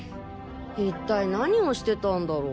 一体何をしてたんだろう。